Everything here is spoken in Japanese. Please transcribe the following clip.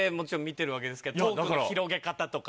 トークの広げ方とか。